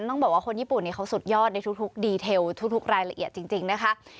ต้องบอกว่าคนญี่ปุ่นนี้เขาสุดยอดในทุกดีเทลทุกรายละเอียดจริงนะคะ